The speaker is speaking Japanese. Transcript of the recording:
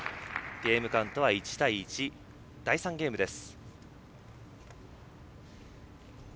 ゲームカウントは１対１第３ゲームです。